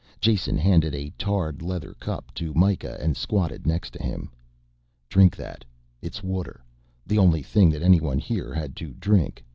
Jason handed a tarred leather cup to Mikah and squatted next to him. "Drink that. It's water, the only thing that anyone here had to drink.